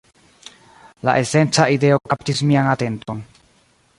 La esenca ideo kaptis mian atenton